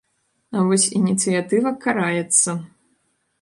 А вось ініцыятыва караецца.